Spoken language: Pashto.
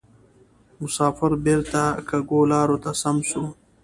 مسافر بیرته کږو لارو ته سم سو